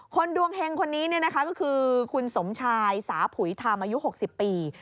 ดวงเฮงคนนี้ก็คือคุณสมชายสาผุยธรรมอายุ๖๐ปี